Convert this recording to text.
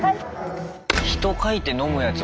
「人」書いて飲むやつ